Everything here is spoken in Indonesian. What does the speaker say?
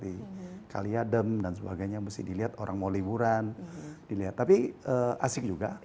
di kaliadem dan sebagainya mesti dilihat orang mau liburan dilihat tapi asik juga